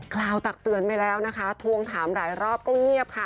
กล่าวตักเตือนไปแล้วนะคะทวงถามหลายรอบก็เงียบค่ะ